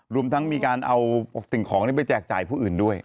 รวมทั้งมีการเอาสิ่งของไปแจกจ่ายผู้อื่นด้วย